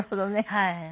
はい。